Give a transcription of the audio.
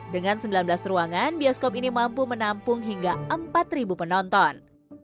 dengan sembilan belas ruangan bioskop ini mampu menampung hingga empat penonton